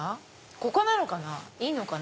ここなのかないいのかな？